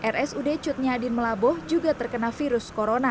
rsud cutnya adin melaboh juga terkena virus corona